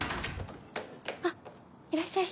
あっいらっしゃい。